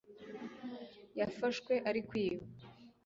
yafashwe ari kwiba